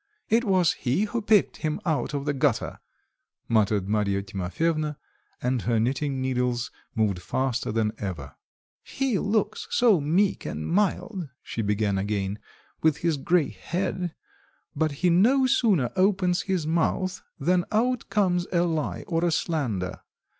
It was he who picked him out of the gutter," muttered Marfa Timofyevna, and her knitting needles moved faster than ever. "He looks so meek and mild," she began again, "with his grey head, but he no sooner opens his mouth than out comes a lie or a slander.